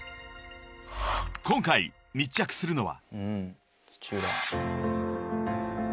［今回密着するのは］